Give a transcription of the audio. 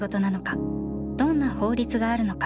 「どんな法律があるのか」